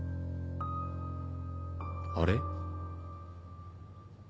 あれ？